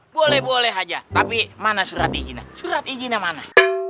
boleh boleh aja tapi mana surat izinnya surat izinnya mana